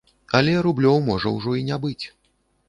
Але рублёў можа ўжо і не быць.